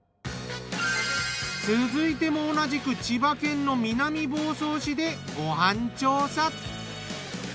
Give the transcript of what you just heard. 続いても同じく千葉県の南房総市でご飯調査。